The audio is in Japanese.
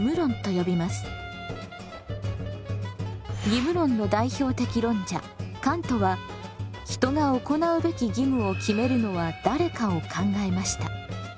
義務論の代表的論者カントは人が行うべき義務を決めるのは誰かを考えました。